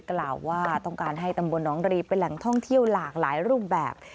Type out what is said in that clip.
กล่าวว่าต้องการให้ตำบลน้องรีเป็นแหล่งท่องเที่ยวหลากหลายรูปแบบ